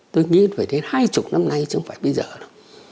tôi nghĩ phải đến hai mươi năm nay chứ không phải bây giờ đâu